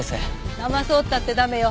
だまそうったって駄目よ。